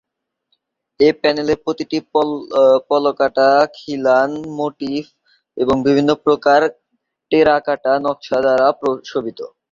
এ প্যানেলের প্রতিটি পলকাটা খিলান মোটিফ এবং বিভিন্ন প্রকার টেরাকোটা নকশা দ্বারা শোভিত।